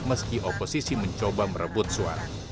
meski oposisi mencoba merebut suara